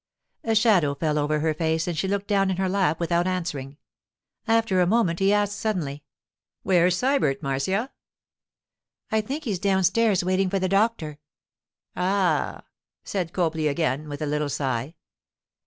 A shadow fell over her face and she looked down in her lap without answering. After a moment he asked suddenly, 'Where's Sybert, Marcia?' 'I think he's downstairs waiting for the doctor.' 'Ah!' said Copley again, with a little sigh.